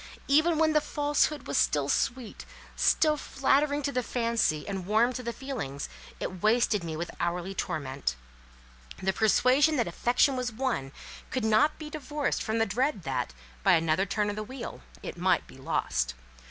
Even when the Falsehood was still sweet, still flattering to the fancy, and warm to the feelings, it wasted me with hourly torment. The persuasion that affection was won could not be divorced from the dread that, by another turn of the wheel, it might be lost.